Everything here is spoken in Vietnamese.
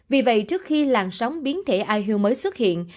vì vậy trước khi làn sóng biến thể iuu mới xuất hiện